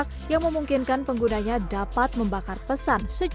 hazardous silk sebenarnya juga mulai mulai mulit